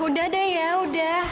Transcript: udah deh ya udah